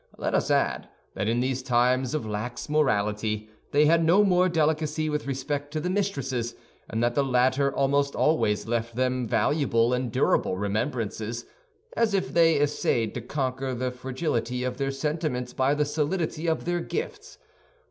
Let us add that in these times of lax morality they had no more delicacy with respect to the mistresses; and that the latter almost always left them valuable and durable remembrances, as if they essayed to conquer the fragility of their sentiments by the solidity of their gifts.